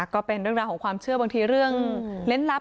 ก็เป็นเรื่องราวของความเชื่อบางทีเรื่องเล่นลับ